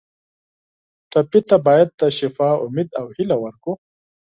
ټپي ته باید د شفا امید او هیله ورکړو.